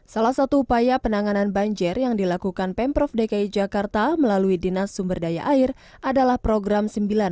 salah satu upaya penanganan banjir yang dilakukan pemprov dki jakarta melalui dinas sumber daya air adalah program sembilan